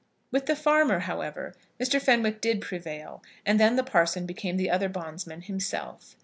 With the farmer, however, Mr. Fenwick did prevail, and then the parson became the other bondsman himself.